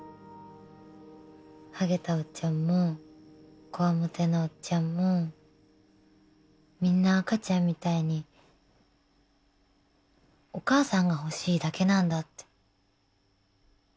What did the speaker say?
はげたおっちゃんも強面のおっちゃんもみんな赤ちゃんみたいにお母さんが欲しいだけなんだって。